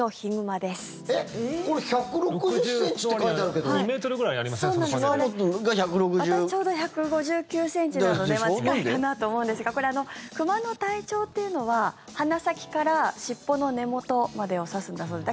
私、ちょうど１５９ｃｍなので近いかなと思うんですが熊の体長というのは鼻先から尻尾の根元までを指すんだそうです。